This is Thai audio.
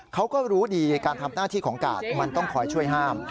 เขาก็รู้ดีการทำหน้าที่ของกาดมันต้องคอยช่วยห้าม